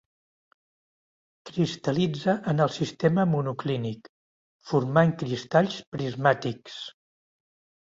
Cristal·litza en el sistema monoclínic, formant cristalls prismàtics.